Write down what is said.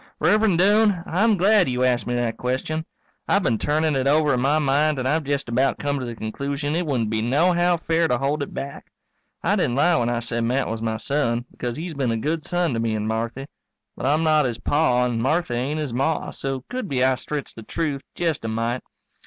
_ Rev'rend Doane, I'm glad you asked me that question. I've been turnin' it over in my mind and I've jest about come to the conclusion it wouldn't be nohow fair to hold it back. I didn't lie when I said Matt was my son, because he's been a good son to me and Marthy. But I'm not his Pa and Marthy ain't his Ma, so could be I stretched the truth jest a mite.